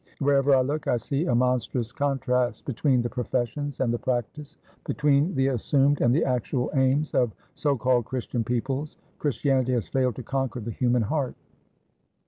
Wherever I look, I see a monstrous contrast between the professions and the practice, between the assumed and the actual aims, of so called Christian peoples. Christianity has failed to conquer the human heart."